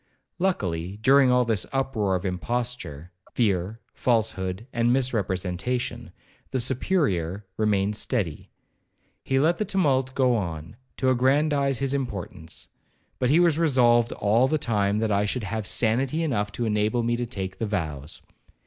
Luckily, during all this uproar of imposture, fear, falsehood, and misrepresentation, the Superior, remained steady. He let the tumult go on, to aggrandize his importance; but he was resolved all the time that I should have sanity enough to enable me to take the vows.